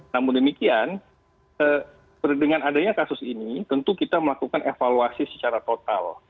namun demikian dengan adanya kasus ini tentu kita melakukan evaluasi secara total